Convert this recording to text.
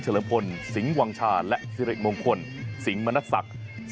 เฉลพลสิงหวังชาและเสีรกมงคลสิงมนัทศักดิ์